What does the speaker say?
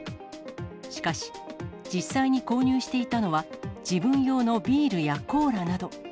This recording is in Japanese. しかし、実際に購入していたのは、自分用のビールやコーラなど。